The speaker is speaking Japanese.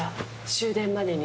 終電までに。